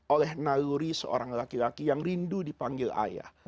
oleh naluri seorang laki laki yang rindu dipanggil ayah